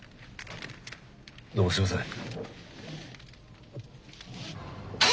どうもすいません。